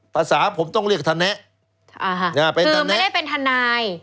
ภาษาผมต้องเรียกธนะคือไม่ได้เป็นทนาย